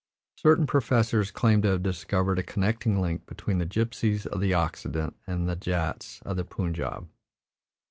Certain professors claim to have discovered a connecting link between the gypsies of the Occident and the Jats of the Punjab.